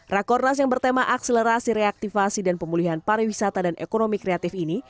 rakornas yang bertema akselerasi reaktivasi dan pemulihan pariwisata dan ekonomi kreatif ini